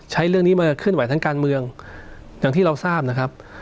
ใช้เรื่องนี้มาเคลื่อนไหวทางการเมืองอย่างที่เราทราบนะครับ